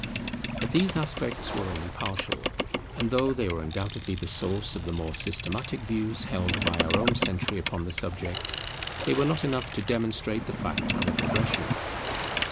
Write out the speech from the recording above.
But these aspects were only partial: and though they were undoubtedly the source of the more systematic views held by our own century upon the subject, they were not enough to demonstrate the fact of a progression.